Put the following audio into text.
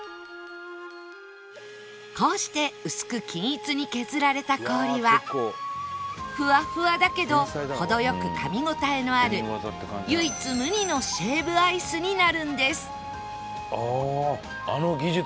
こうして薄く均一に削られた氷はふわふわだけど程良く噛み応えのある唯一無二のシェーブアイスになるんですはあ！